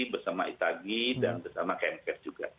bersama itagi dan bersama kemkes juga